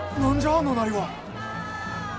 あのなりは。